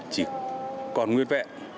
chỉ còn nguyên vẹn